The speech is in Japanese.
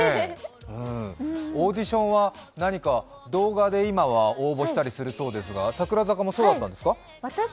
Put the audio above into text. オーディションは何か動画で今は応募したりするそうですが櫻坂もそうだったんですか？